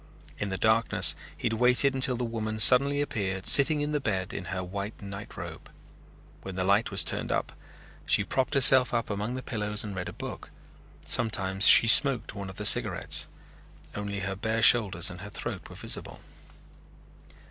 In the darkness he had waited until the woman suddenly appeared sitting in the bed in her white nightrobe. When the light was turned up she propped herself up among the pillows and read a book. Sometimes she smoked one of the cigarettes. Only her bare shoulders and throat were visible.